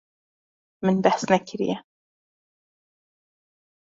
Min behs nekiriye.